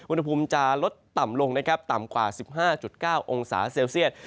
อุณหภูมิจะลดต่ำลงนะครับต่ำกว่า๑๕๙องศาเซลเซียต